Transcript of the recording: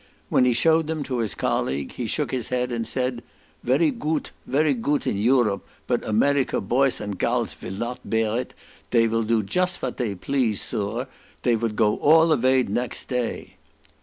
When he shewed them to his colleague, he shook his head, and said, "Very goot, very goot in Europe, but America boys and gals vill not bear it, dey will do just vat dey please; Suur, dey vould all go avay next day."